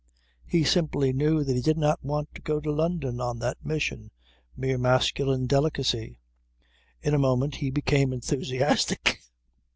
He simply knew that he did not want to go to London on that mission. Mere masculine delicacy. In a moment he became enthusiastic.